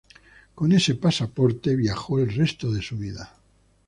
Con ese pasaporte viajó el resto de su vida.